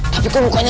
tapi kok mukanya